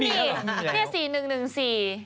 ไม่มีนี่๔๑๑๔